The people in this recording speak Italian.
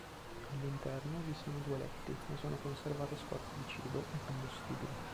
All'interno vi sono due letti e sono conservate scorte di cibo e combustibile.